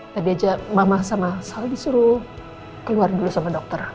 tapi aja mama sama suami disuruh keluar dulu sama dokter